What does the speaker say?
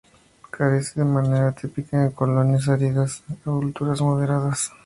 Crece de manera típica en colinas áridas a alturas moderadas.